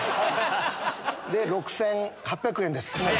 で、６８００円です。